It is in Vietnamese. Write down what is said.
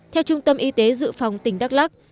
theo trung tâm y tế dự phòng tỉnh đắk lắc